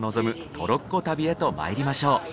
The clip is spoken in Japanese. トロッコ旅へとまいりましょう。